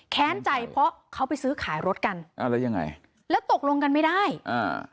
ใจเพราะเขาไปซื้อขายรถกันอ่าแล้วยังไงแล้วตกลงกันไม่ได้อ่า